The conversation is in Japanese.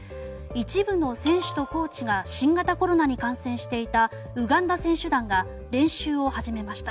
一部の選手とコーチが新型コロナに感染していたウガンダ選手団が練習を始めました。